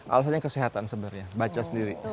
alasannya kesehatan sebenarnya baca sendiri